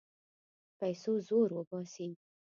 پیسو زور وباسي.